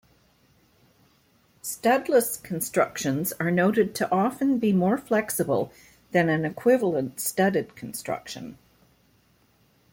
Studdless constructions are noted to often be more flexible than an equivalent studded construction.